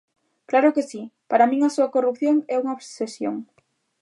Claro que si, para min a súa corrupción é unha obsesión.